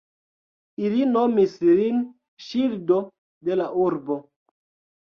Ili nomis lin "ŝildo de la urbo".